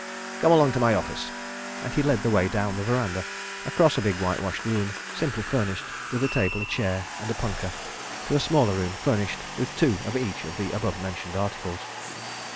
Come along to my office," and he led the way down the verandah, across a big whitewashed room, simply furnished with a table, a chair, and a punkah, to a smaller room, furnished with two of each of the above mentioned articles.